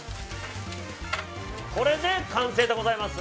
これで完成でございます。